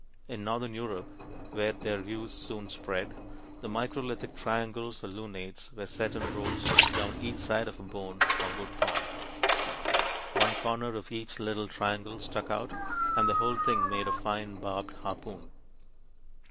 In northern Europe, where their use soon spread, the microlithic triangles or lunates were set in rows down each side of a bone or wood point. One corner of each little triangle stuck out, and the whole thing made a fine barbed harpoon.